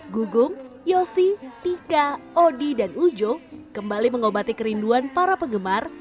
gugung yosi tika odi dan ujo kembali mengobati kerinduan para penggemar